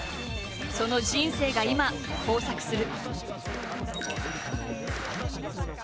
その人生が今交錯する。